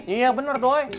iya bener doi